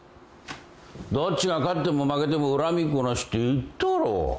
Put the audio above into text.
どっちが勝っても負けても恨みっこなしって言ったろ。